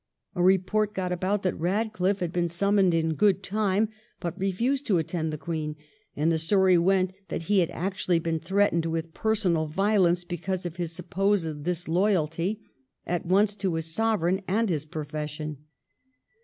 A report got about that Eadcliffe had been summoned in good time but refused to attend the Queen, and the story went that he had actually been threatened with personal violence because of his supposed disloyalty, at once to his Sovereign and his profession.